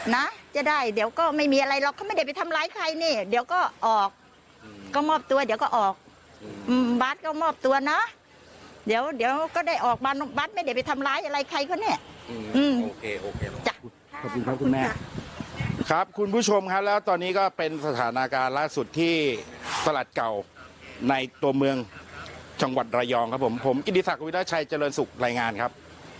ในตัวเมืองชะวัดรายองค์ครับผมผมกิติศักดิ์วิทยาลัยชัยเจริญสุกรายงานครับ